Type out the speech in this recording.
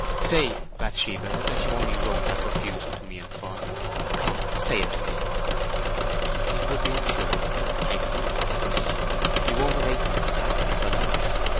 Say, Bathsheba, that you only wrote that refusal to me in fun—come, say it to me!" "It would be untrue, and painful to both of us. You overrate my capacity for love.